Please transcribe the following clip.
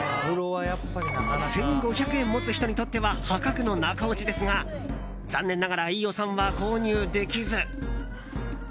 １５００円持つ人にとっては破格の中落ちですが残念ながら飯尾さんは購入できず。